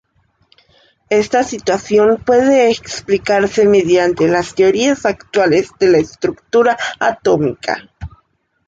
Esta situación puede explicarse mediante las teorías actuales de la estructura atómica.